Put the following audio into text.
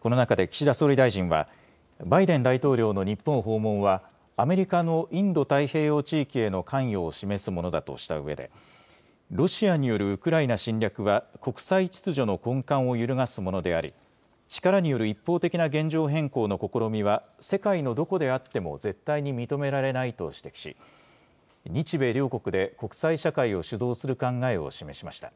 この中で岸田総理大臣はバイデン大統領の日本訪問はアメリカのインド太平洋地域への関与を示すものだとしたうえでロシアによるウクライナ侵略は国際秩序の根幹を揺るがすものであり、力による一方的な現状変更の試みは世界のどこであっても絶対に認められないと指摘し日米両国で国際社会を主導する考えを示しました。